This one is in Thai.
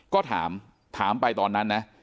ก็ถามถามไปตอนนั้นนะ